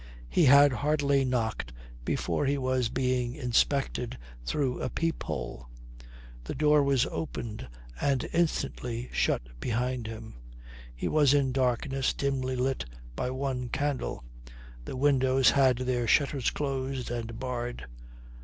He had hardly knocked before he was being inspected through a peep hole. The door was opened and instantly shut behind him. He was in darkness dimly lit by one candle. The windows had their shutters closed and barred.